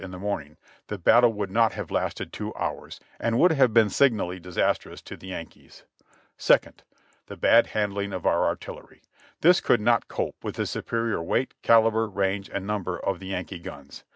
Had McLane and Ander son been there earlier in the morning, the battle would not have lasted two hours, and would have been signally disastrous to the Yankees. "2nd. The bad handling of our artillery. This could not cope with the superior weight, calibre, range and number of the Yankee guns.